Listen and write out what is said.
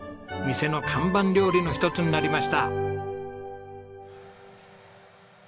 店の看板料理の一つになりました。